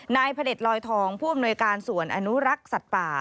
พระเด็จลอยทองผู้อำนวยการส่วนอนุรักษ์สัตว์ป่า